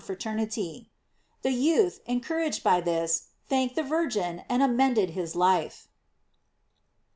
fraternity." The youth, encouraged by this, thanked the Virgin, and amended his life.